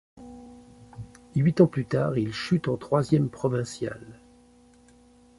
Huit ans plus tard, il chute en troisième provinciale.